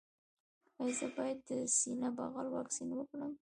ایا زه باید د سینه بغل واکسین وکړم؟